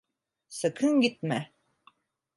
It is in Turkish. Sakın gitme!